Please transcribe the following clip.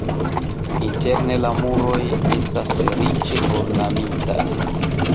Interne la muroj estas riĉe ornamitaj.